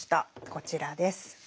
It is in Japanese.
こちらです。